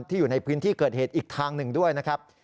อยู่ในพื้นที่เกิดเหตุอีกทางหนึ่งด้วยนะครับ